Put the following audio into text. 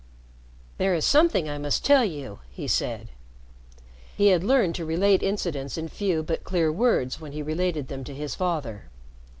"There is something I must tell you," he said. He had learned to relate incidents in few but clear words when he related them to his father.